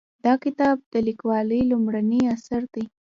دا کتاب د لیکوالې لومړنی اثر دی